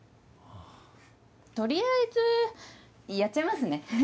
取りあえずやっちゃいますね。